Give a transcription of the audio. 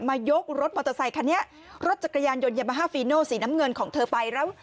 ยกรถมอเตอร์ไซคันนี้รถจักรยานยนต์ยามาฮาฟีโนสีน้ำเงินของเธอไปแล้ว